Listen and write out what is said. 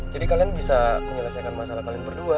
jadi kalian bisa menyelesaikan masalah kalian berdua